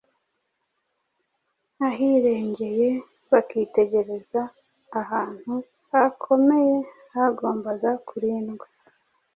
ahirengeye bakitegereza ahantu hakomeye hagombaga kurindwa,